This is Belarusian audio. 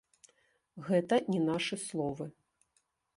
Гэта не нашы словы.